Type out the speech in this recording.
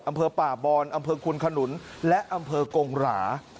อำเภอป่าบอนอำเภอคุณขนุนและอำเภอกงหรา